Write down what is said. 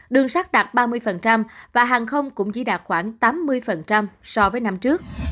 đường sắt đạt ba mươi và hàng không cũng chỉ đạt khoảng tám mươi so với năm trước